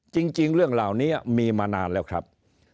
จริงเรื่องเหล่านี้มีมานานแล้วครับ